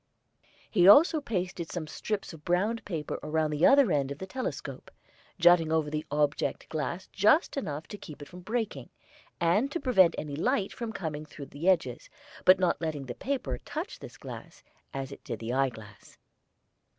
He also pasted some strips of brown paper around the other end of the telescope, jutting over the object glass just enough to keep it from breaking, and to prevent any light from coming through the edges, but not letting the paper touch this glass, as it did the eyeglass.